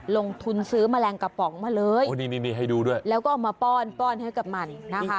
ลงทุนซื้อแมลงกระป๋องมาเลยแล้วก็เอามาป้อนป้อนให้กับมันนะคะ